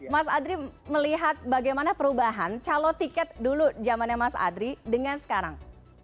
mas adri melihat bagaimana perubahan calon tiket dulu zamannya mas adri dengan sekarang